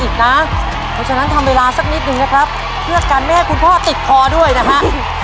เพราะฉะนั้นทำเวลาสักนิดนึงนะครับเพื่อกันไม่ให้คุณพ่อติดคอด้วยนะฮะ